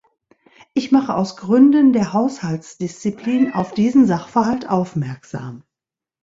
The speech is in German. Ich mache aus Gründen der Haushaltsdisziplin auf diesen Sachverhalt aufmerksam.